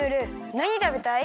なにたべたい？